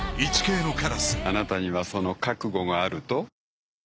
「あなたにはその覚悟があると？」